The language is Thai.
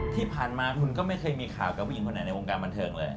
ที่ผ่านมาคุณก็ไม่เคยมีข่าวกับผู้หญิงคนไหนในวงการบันเทิงเลย